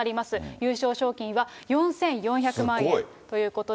優勝賞金は４４００万円ということで。